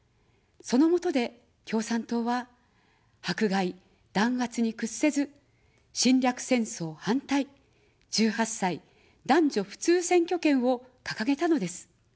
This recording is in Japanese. そのもとで、共産党は迫害、弾圧に屈せず、「侵略戦争反対」、「１８歳男女普通選挙権」をかかげたのです。